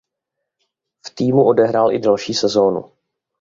V týmu odehrál i další sezonu.